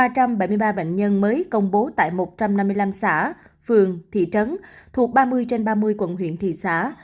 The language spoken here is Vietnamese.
ba trăm bảy mươi ba bệnh nhân mới công bố tại một trăm năm mươi năm xã phường thị trấn thuộc ba mươi trên ba mươi quận huyện thị xã